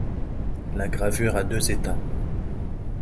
La gravure a deux états.